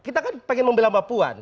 kita kan pengen membela mbak puan